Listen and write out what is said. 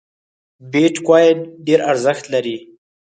بیټ کواین ډېر ارزښت لري